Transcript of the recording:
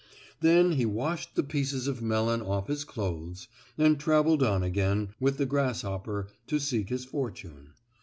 Then he washed the pieces of melon off his clothes, and traveled on again, with the grasshopper, to seek his fortune.